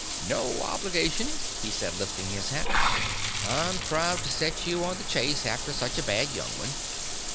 "No obligation," he said, lifting his hat. "I'm proud to set you on the chase after such a bad young one.